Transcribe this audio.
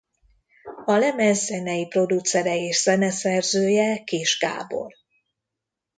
A lemez zenei producere és zeneszerzője Kiss Gábor.